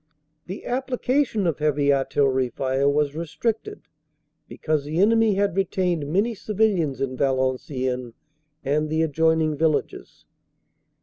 "The application of Heavy Artillery fire was restricted because the enemy had retained many civilians in Valenciennes and the adjoining villages.